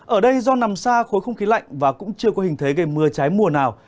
ở đây do nằm xa khối không khí lạnh và cũng chưa có hình thế gây mưa trái mùa nào